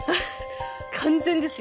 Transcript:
完全ですよ。